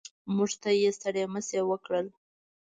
موږ ته یې ستړي مه شي وکړل.